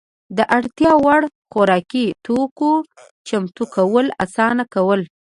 د اړتیا وړ خوراکي توکو چمتو کول اسانه کول.